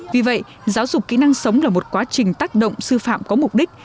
vì vậy giáo dục kỹ năng sống là một quá trình tác động sư phạm có mục đích